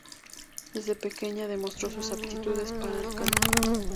Desde pequeña demostró sus aptitudes para el canto.